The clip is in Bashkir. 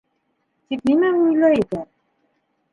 Тик нимә уйлай икән?